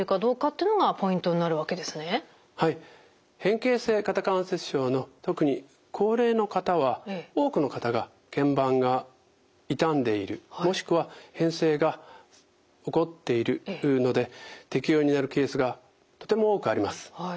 変形性肩関節症の特に高齢の方は多くの方がけん板が傷んでいるもしくは変性が起こっているので適用になるケースがとても多くあります。